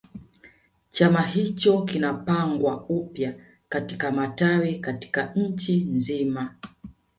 Chama hicho kikapangwa upya katika matawi katika nchi nzima